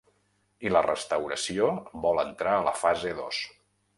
I la restauració vol entrar a la fase dos.